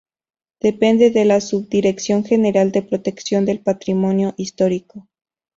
Depende de la Subdirección General de Protección del Patrimonio Histórico.